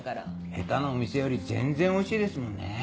ヘタなお店より全然おいしいですもんね。